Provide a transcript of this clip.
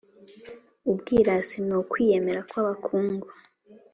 Ubwirasi n’ukwiyemera kw’abakungu